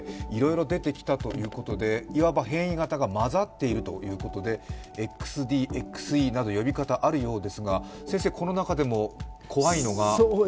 いろいろ出てきたということで、いわば変異型が混ざっているということで、ＸＤ、ＸＥなど呼び方があるようですがこの中でも怖いのが？